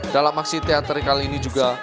dalam aksi teatri kali ini juga